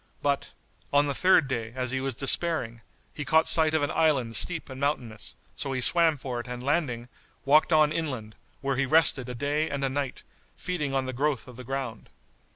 But, on the third day as he was despairing he caught sight of an island steep and mountainous; so he swam for it and landing, walked on inland, where he rested a day and a night, feeding on the growth of the ground.